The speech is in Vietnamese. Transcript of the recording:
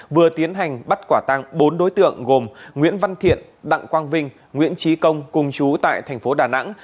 vừa tiến hành bắt quả tăng bốn đối tượng gồm nguyễn văn thiện đặng quang vinh nguyễn trí công cùng chú tại thành phố đà nẵng